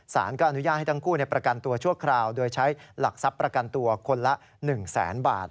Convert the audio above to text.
สารก็อนุญาตให้ทั้งคู่ประกันตัวชั่วคราวโดยใช้หลักทรัพย์ประกันตัวคนละ๑แสนบาท